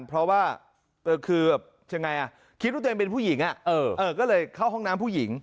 เพราะว่าคือยังไงอ่ะคิดว่าเป็นผู้หญิงอ่ะก็เลยเข้าห้องน้ำผู้หญิง